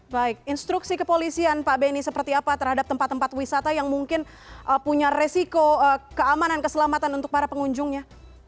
baik instruksi kepolisian pak benny seperti apa terhadap tempat tempat wisata yang mungkin punya resiko keamanan keselamatan untuk para pengunjungnya